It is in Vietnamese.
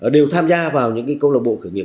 đều tham gia vào những câu lạc bộ khởi nghiệp